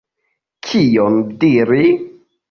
Kion diri?